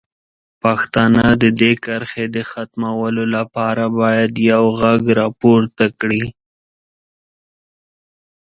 پښتانه د دې کرښې د ختمولو لپاره باید یو غږ راپورته کړي.